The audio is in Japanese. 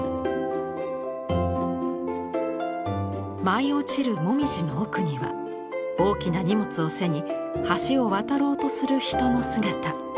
舞い落ちるもみじの奥には大きな荷物を背に橋を渡ろうとする人の姿。